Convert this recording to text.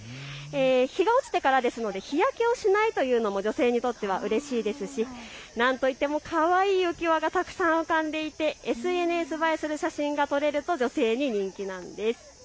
日が落ちてからですので日焼けをしないというのも女性にとってはうれしいですし、なんといってもかわいい浮き輪がたくさん浮かんでいてＳＮＳ映えする写真が撮れると女性に人気なんです。